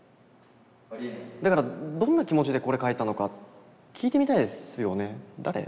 だからどんな気持ちでこれ書いたのか聞いてみたいですよね。